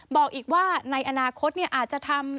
บอกอีกว่าในอนาคตอาจจะทำ